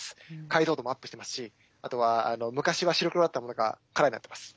解像度もアップしてますしあとは昔は白黒だったものがカラーになってます。